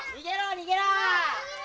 逃げろ！